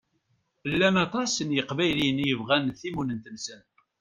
Llan aṭas n Iqbayliyen i yebɣan timunent-nsen.